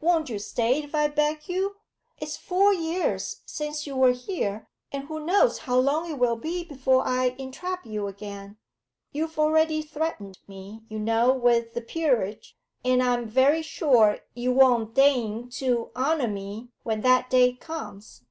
'Won't you stay if I beg you? It's four years since you were here, and who knows how long it will be before I entrap you again. You've already threatened me, you know, with the peerage, and I'm very sure you won't deign to honour me when that day comes.